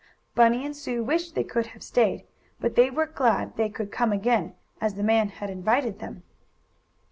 Bunny and Sue wished they could have stayed, but they were glad they could come again, as the man had invited them.